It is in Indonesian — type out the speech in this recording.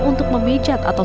untuk memijat atau menjaga